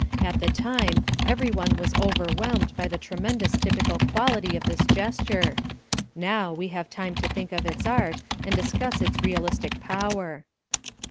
At the time, every one was overwhelmed by the tremendous typical quality of this gesture; now, we have time to think of its art, and discuss its realistic power.